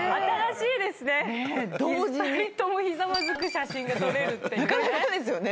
２人ともひざまずく写真が撮れるっていうね。